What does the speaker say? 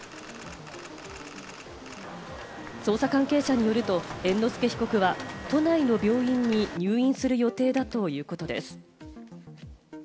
捜査関係者によると、猿之助被告は都内の病院に入院する予定だということです。